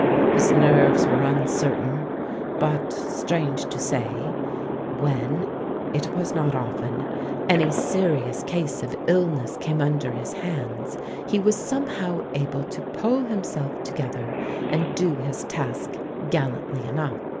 His nerves were uncertain, but, strange to say, when (it was not often) any serious case of illness came under his hands, he was somehow able to pull himself to gether and do his task gallantly enough.